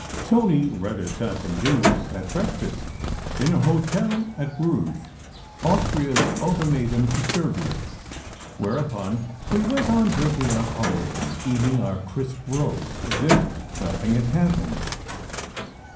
Tony read us out the news at breakfast in a hotel at Bruges: "Austria s Ultimatum to Servia"; whereupon we went on drinking our coffee and eating our crisp rolls as if nothing had happened.